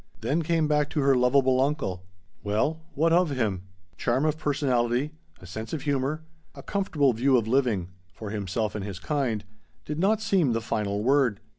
Then came back to her lovable uncle. Well, what of him? Charm of personality, a sense of humor, a comfortable view of living (for himself and his kind) did not seem the final word.